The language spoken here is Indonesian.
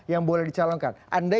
yang boleh dicalonkan anda